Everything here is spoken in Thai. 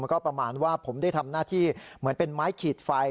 ก็ประมาณว่าผมได้ทำหน้าที่เหมือนเป็นไม้ขีดไฟ